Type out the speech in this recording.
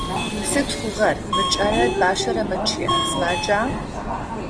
Сыд хъугъэр, мы кӏалэр бащэрэ мэчъые, сымаджа?